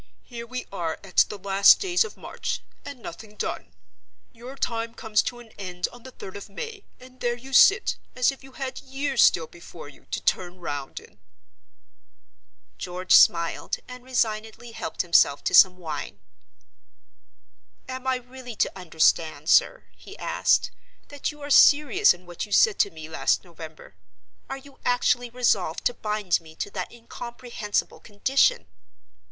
Here we are at the last days of March—and nothing done! Your time comes to an end on the third of May; and there you sit, as if you had years still before you, to turn round in." George smiled, and resignedly helped himself to some wine. "Am I really to understand, sir," he asked, "that you are serious in what you said to me last November? Are you actually resolved to bind me to that incomprehensible condition?"